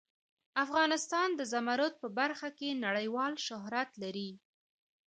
افغانستان د زمرد په برخه کې نړیوال شهرت لري.